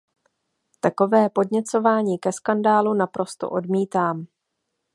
Takové podněcování ke skandálu naprosto odmítám.